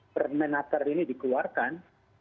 permen atar ini dikeluarkan